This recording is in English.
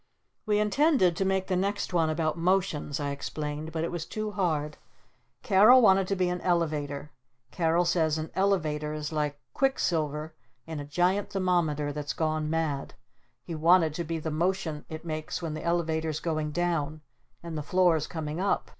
"We intended to make the next one about 'Motions,'" I explained. "But it was too hard. Carol wanted to be an Elevator! Carol says an Elevator is like quick silver in a giant thermometer that's gone mad! He wanted to be the motion it makes when the Elevator's going down and the floor's coming up!